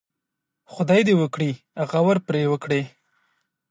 خدای دې وکړي غور پرې وکړي.